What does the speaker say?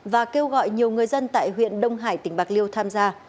và kêu gọi nhiều người dân tại huyện đông hải tỉnh bạc liêu tham gia